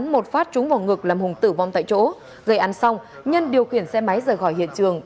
một phát trúng vào ngực làm hùng tử vong tại chỗ gây án xong nhân điều khiển xe máy rời khỏi hiện trường